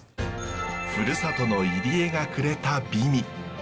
ふるさとの入り江がくれた美味。